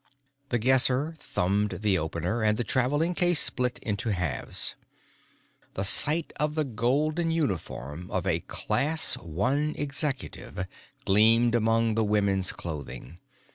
The Guesser thumbed the opener, and the traveling case split into halves. The sight of the golden uniform of a Class One Executive gleamed among the women's clothing.